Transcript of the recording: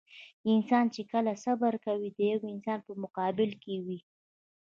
انسان چې کله صبر کوي د يوه انسان په مقابل کې وي.